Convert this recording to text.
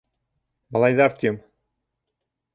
- Малайҙар тим!